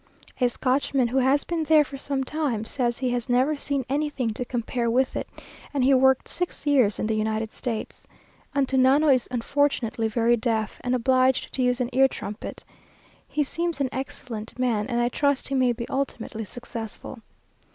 A Scotchman, who has been there for some time, says he has never seen anything to compare with it, and he worked six years in the United States. Antunano is unfortunately very deaf, and obliged to use an ear trumpet. He seems an excellent man, and I trust he may be ultimately successful.